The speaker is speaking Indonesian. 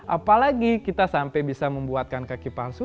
apalagi kita sampai bisa membuatkan kaki palsu